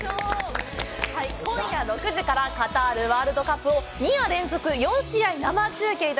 今夜６時からカタールワールドカップを２夜連続４試合生中継！